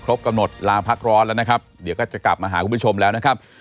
กำหนดลาพักร้อนแล้วนะครับเดี๋ยวก็จะกลับมาหาคุณผู้ชมแล้วนะครับ